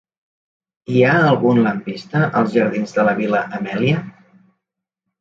Hi ha algun lampista als jardins de la Vil·la Amèlia?